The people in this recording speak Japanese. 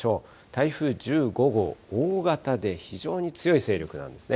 台風１５号、大型で非常に強い勢力なんですね。